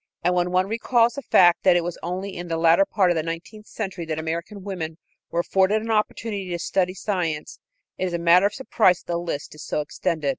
And when one recalls the fact that it was only in the latter part of the nineteenth century that American women were afforded an opportunity to study science, it is a matter of surprise that the list is so extended.